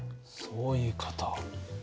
そういう事。